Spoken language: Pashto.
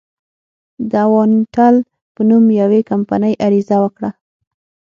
د اوانټل په نوم یوې کمپنۍ عریضه وکړه.